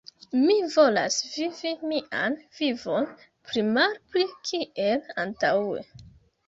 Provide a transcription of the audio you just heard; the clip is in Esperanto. Mi volas vivi mian vivon pli-malpli kiel antaŭe.